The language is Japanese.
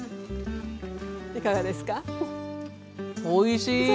おいしい！